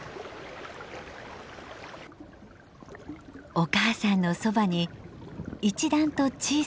お母さんのそばに一段と小さな体。